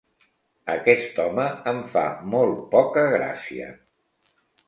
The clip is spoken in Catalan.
Aquest home em fa molt poca gràcia.